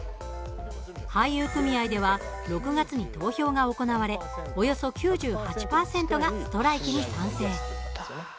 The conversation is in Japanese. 俳優組合では６月に投票が行われおよそ９８％がストライキに賛成。